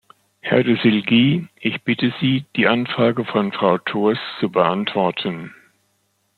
Herr de Silguy, ich bitte Sie, die Anfrage von Frau Thors zu beantworten.